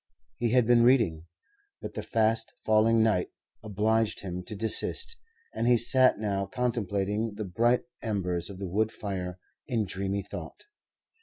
He had been reading, but the fast falling night obliged him to desist, and he sat now contemplating the bright embers of the wood fire in dreamy thought.